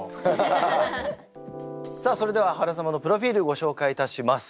さあそれでは原様のプロフィールご紹介いたします。